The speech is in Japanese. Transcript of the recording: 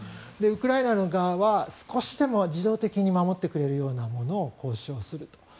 ウクライナ側は少しでも自動的に守ってくれるようなものを交渉すると。